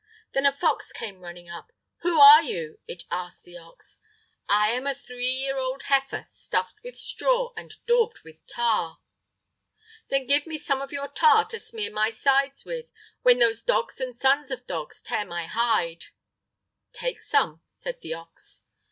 Then a fox came running up. "Who are you?" it asked the ox. "I'm a three year old heifer, stuffed with straw and daubed with tar." "Then give me some of your tar to smear my sides with, when those dogs and sons of dogs tear my hide!" "Take some," said the ox.